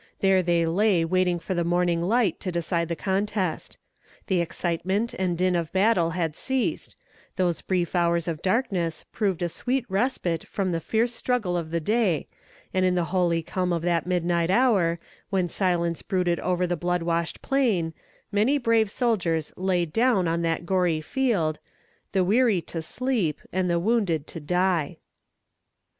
There they lay waiting for the morning light to decide the contest. The excitement and din of battle had ceased; those brief hours of darkness proved a sweet respite from the fierce struggle of the day, and in the holy calm of that midnight hour, when silence brooded over the blood washed plain, many brave soldiers lay down on that gory field The weary to sleep, and the wounded to die.